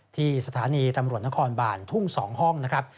ที่สถานีตำรวจนครบานทุ่ง๒ห้องนะครับ